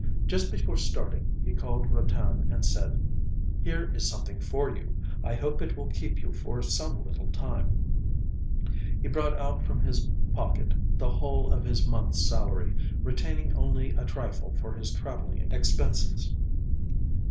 Just before starting he called Ratan, and said: 'Here is something for you; I hope it will keep you for some little time.' He brought out from his pocket the whole of his month's salary, retaining only a trifle for his travelling expenses.